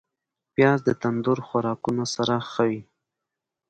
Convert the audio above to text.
پیاز د تندور خوراکونو سره ښه وي